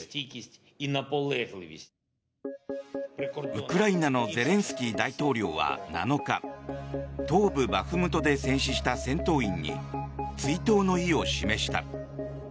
ウクライナのゼレンスキー大統領は７日東部バフムトで戦死した戦闘員に追悼の意を示した。